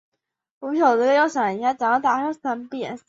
本科鱼类以其头部下方有一对触须为最明显之特征之一。